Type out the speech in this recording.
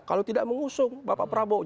kalau tidak mengusung bapak prabowo